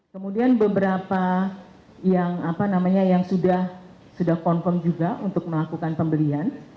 kemudian beberapa yang sudah confirm juga untuk melakukan pembelian